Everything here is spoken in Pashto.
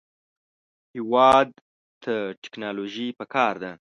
هېواد ته ټیکنالوژي پکار ده